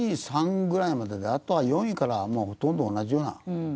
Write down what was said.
１２３ぐらいまでであとは４位からはもうほとんど同じような。